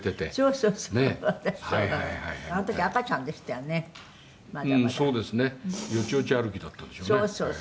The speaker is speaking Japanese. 「そうですね。